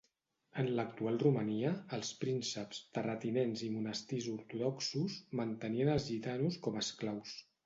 En l'actual Romania, els prínceps, terratinents i monestirs ortodoxos mantenien als gitanos com a esclaus.